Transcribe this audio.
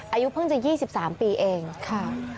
อายุเพิ่งจะ๒๓ปีเองค่ะ